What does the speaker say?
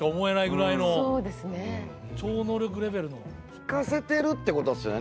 引かせてるってことですよね。